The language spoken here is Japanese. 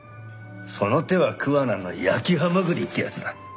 その手は桑名の焼きはまぐりってやつだ。